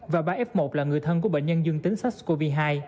và ba f một là người thân của bệnh nhân dương tính sars cov hai